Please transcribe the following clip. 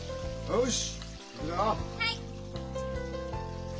よし！